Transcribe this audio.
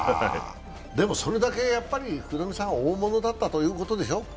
でも、それだけ福留さんは大物だったということでしょ？